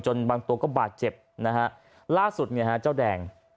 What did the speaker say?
จนบางตัวก็บาดเจ็บล่าสุดเจ้าแดง